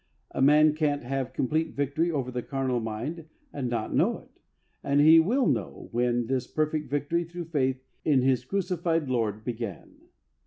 A man can't have complete victory over the carnal mind and not know it, and he will know when this perfect victory through faith in his crucified Lord began.